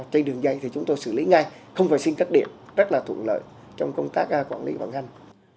trên đường dây thì chúng tôi xử lý ngay không phải xin các điện rất là thuận lợi trong công tác quản lý vận hành